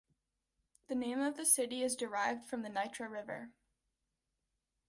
The name of the city is derived from the Nitra river.